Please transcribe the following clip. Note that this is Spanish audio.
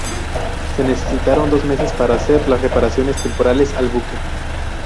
Se necesitaron dos meses para hacer las reparaciones temporales al buque.